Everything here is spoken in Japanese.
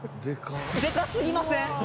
でかすぎません？